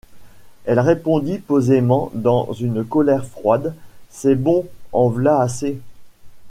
Elle répondit posément, dans une colère froide: — C’est bon, en v’là assez...